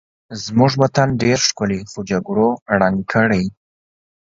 زمونږ وطن ډېر ښکلی خو جګړو ړنګ کړی